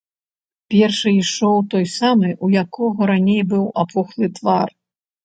Першы ішоў той самы, у якога раней быў апухлы твар.